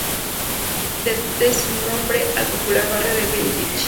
Debe su nombre al popular barrio de Belleville.